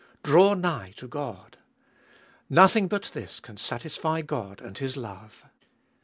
Draw nigh to God ! Nothing but this can satisfy God and His love.